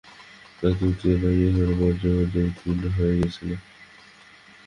রসের উত্তেজনায় আমি একেবারে মজ্জায় মজ্জায় জীর্ণ হইয়া গিয়াছিলাম।